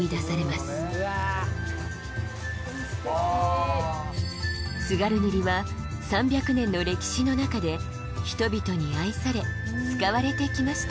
すてき津軽塗は３００年の歴史の中で人々に愛され使われてきました